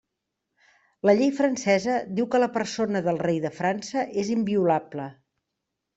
La llei francesa diu que la persona del rei de França és inviolable.